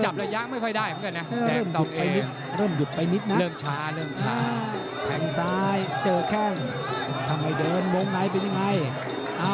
บ๊วยบ๊วยบ๊วยยังจับแล้วย้างไม่ค่อยได้เหมือนกันนะ